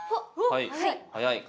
はい。